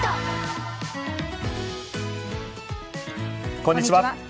こんにちは。